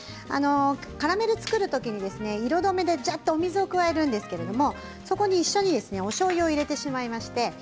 カラメルを作るときには色止めで若干、お水を加えるんですけれど一緒におしょうゆを入れてしまいます。